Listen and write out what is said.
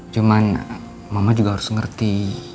cuman mama juga harus ngerti